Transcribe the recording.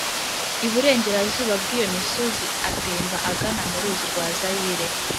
iburengerazuba bw'iyo misozi atemba agana mu ruzi rwa zayire,